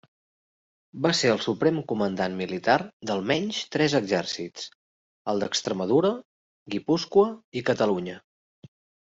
Va ser el suprem comandant militar d'almenys tres exèrcits: els d'Extremadura, Guipúscoa i Catalunya.